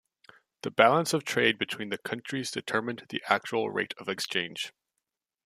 The balance of trade between the countries determined the actual rate of exchange.